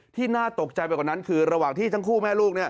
น่าตกใจไปกว่านั้นคือระหว่างที่ทั้งคู่แม่ลูก